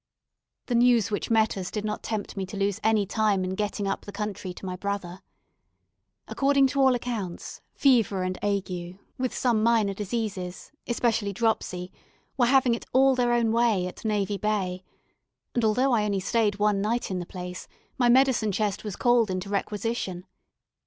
The news which met us did not tempt me to lose any time in getting up the country to my brother. According to all accounts, fever and ague, with some minor diseases, especially dropsy, were having it all their own way at Navy Bay, and, although I only stayed one night in the place, my medicine chest was called into requisition.